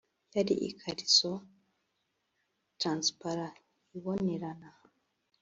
yari (ikariso) transparent (irabonerana)